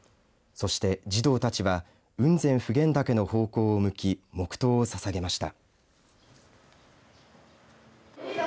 そして、児童たちは雲仙・普賢岳の方向を向き黙とうをささげました。